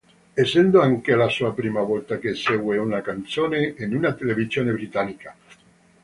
Essendo anche la sua prima volta che esegue una canzone in una televisione britannica.